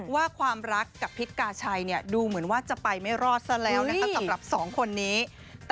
ว่าความรักกับพิษกาชัยดูเหมือนว่าจะไปไม่รอดซะแล้ว